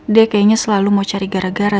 dia kayaknya selalu mau cari gara gara